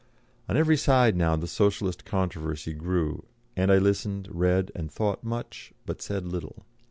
On every side now the Socialist controversy grew, and I listened, read, and thought much, but said little.